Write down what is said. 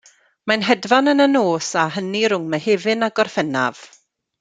Mae'n hedfan yn y nos a hynny rhwng Mehefin a Gorffennaf.